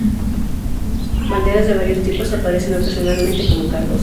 Banderas de varios tipos aparecen ocasionalmente como cargos.